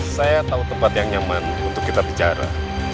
saya tahu tempat yang nyaman untuk kita bicara